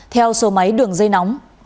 theo số máy đường dây nóng